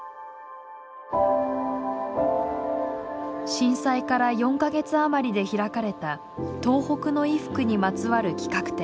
震災から４か月余りで開かれた東北の衣服にまつわる企画展。